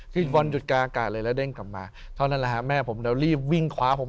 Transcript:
บอลหยุดกลางอากาศเลยแล้วเด้งกลับมาเท่านั้นแหละฮะแม่ผมแล้วรีบวิ่งคว้าผม